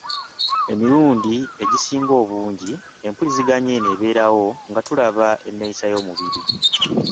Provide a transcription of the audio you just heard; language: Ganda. Emirundi egisinga obungi empuliziganya eno ebaawo nga tulaba enneeyisa y’omubiri.